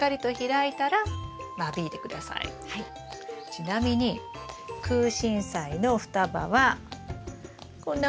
ちなみにクウシンサイの双葉はこんな双葉なんですよ。